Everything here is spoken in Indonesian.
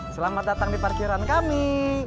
selamat datang di parkiran kami